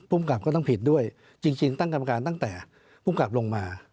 ผู้กรรมการก็ต้องผิดด้วยจริงตั้งกรรมการตั้งแต่ผู้กรรมการลงมา